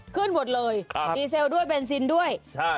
ขึ้นหมดเลยดีเซลด้วยเบนซินด้วยใช่